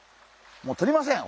もうとりません。